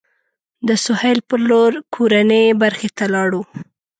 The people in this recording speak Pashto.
د سهیل پر لور کورنۍ برخې ته لاړو.